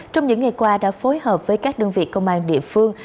trong những ngày qua đã phối hợp với các đơn vị công an địa phương